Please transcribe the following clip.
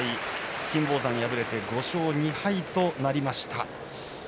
金峰山は敗れて５勝２敗となりました。